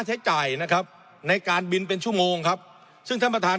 ใช้จ่ายนะครับในการบินเป็นชั่วโมงครับซึ่งท่านประธาน